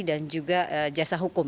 dan juga jasa hukum